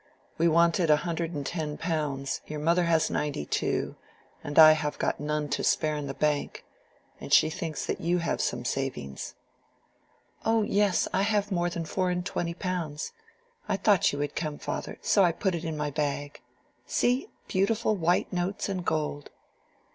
We wanted a hundred and ten pounds: your mother has ninety two, and I have none to spare in the bank; and she thinks that you have some savings." "Oh yes; I have more than four and twenty pounds. I thought you would come, father, so I put it in my bag. See! beautiful white notes and gold."